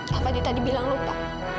kak fadil tadi bilang lupa